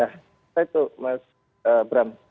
nah itu mas bram